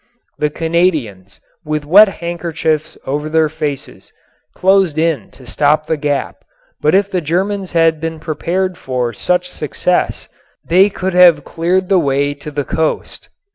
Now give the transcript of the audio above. The Canadians, with wet handkerchiefs over their faces, closed in to stop the gap, but if the Germans had been prepared for such success they could have cleared the way to the coast.